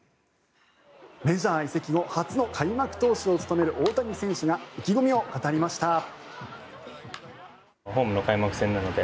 メジャー移籍後初の開幕投手を務める大谷選手が意気込みを語りました。